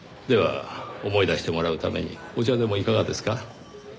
では思い出してもらうためにお茶でもいかがですか？